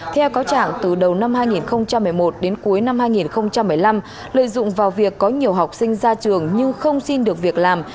theo cáo trạng từ đầu năm hai nghìn một mươi một đến cuối năm hai nghìn một mươi năm lợi dụng vào việc có nhiều học sinh ra trường nhưng không xin được việc làm